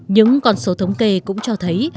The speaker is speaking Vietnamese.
những con số thống kê cũng cho thấy